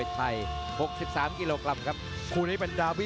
ทุกคนสามารถยินได้